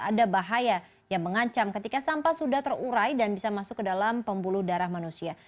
ada bahaya yang mengancam ketika sampah sudah terurai dan bisa masuk ke dalam pembuluh darah manusia